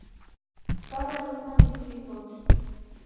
Waw'alumwa ni m'mbi ghose.